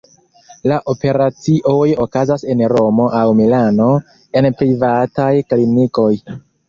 La operacioj okazas en Romo aŭ Milano, en privataj klinikoj.